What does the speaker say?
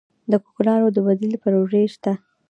د کوکنارو د بدیل پروژې شته؟